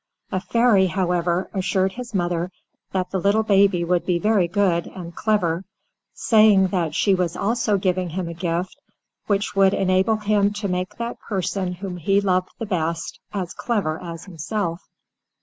A fairy, however, assured his mother that the little baby would be very good and clever, saying that she was also giving him a gift which would enable him to make that person whom he loved the best as clever as himself.